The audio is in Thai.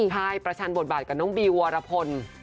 ใช่ประชันบทบาทกับน้องบีวรพล